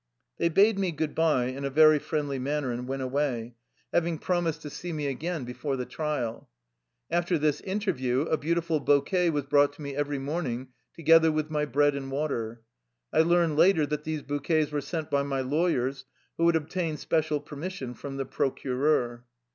They bade me good by in a very friendly man ner and went away, having promised to see me 79 THE LIFE STORY OF A RUSSIAN EXILE again before the triaL After this interview a beautiful bouquet was brought to me every morning, together with my bread and water. I learned later that these bouquets were sent by my lawyers, who had obtained special permission from the procureur.